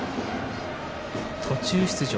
途中出場